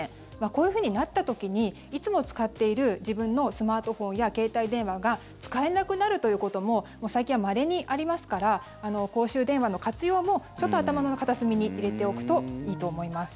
こういうふうになった時にいつも使っている自分のスマートフォンや携帯電話が使えなくなるということも最近はまれにありますから公衆電話の活用もちょっと頭の片隅に入れておくといいと思います。